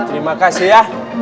terima kasih ya